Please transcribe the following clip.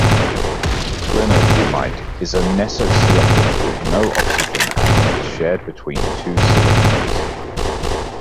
Clinohumite is a nesosilicate with no oxygen atoms shared between two silicons.